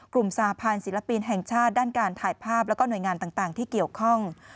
สาพันธ์ศิลปินแห่งชาติด้านการถ่ายภาพแล้วก็หน่วยงานต่างที่เกี่ยวข้อง